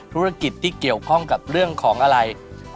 ธุรกิจที่เกี่ยวข้องกับเรื่องของอะไร